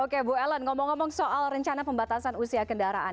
oke bu ellen ngomong ngomong soal rencana pembatasan usia kendaraan